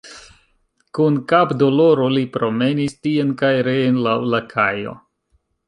Kun kapdoloro li promenis tien kaj reen laŭ la kajo.